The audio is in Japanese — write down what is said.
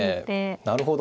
なるほど。